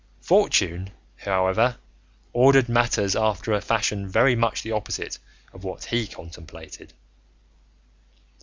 Fortune, however, ordered matters after a fashion very much the opposite of what he contemplated.